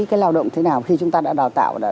cái lao động thế nào khi chúng ta đã đào tạo đã